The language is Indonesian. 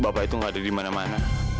bapak itu gak ada dimana mana